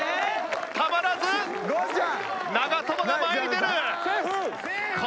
たまらず長友が前に出る。